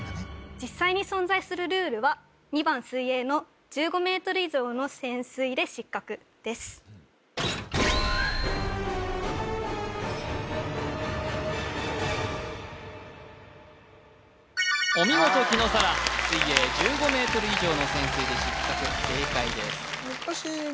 実際に存在するルールはお見事紀野紗良水泳１５ｍ以上の潜水で失格正解です